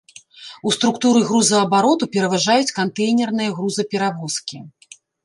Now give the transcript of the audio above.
У структуры грузаабароту пераважаюць кантэйнерныя грузаперавозкі.